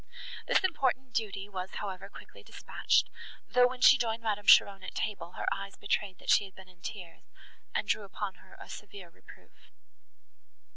This important duty was, however, quickly dispatched; though, when she joined Madame Cheron at table, her eyes betrayed, that she had been in tears, and drew upon her a severe reproof.